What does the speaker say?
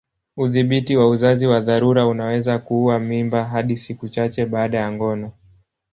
Udhibiti wa uzazi wa dharura unaweza kuua mimba hadi siku chache baada ya ngono.